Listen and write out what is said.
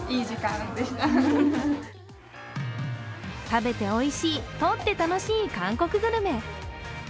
食べておいしい、撮って楽しい韓国グルメ。